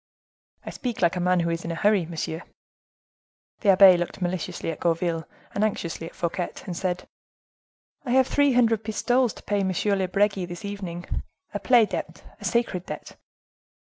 "I speak like a man who is in a hurry, monsieur." The abbe looked maliciously at Gourville, and anxiously at Fouquet, and said, "I have three hundred pistoles to pay to M. de Bregi this evening. A play debt, a sacred debt."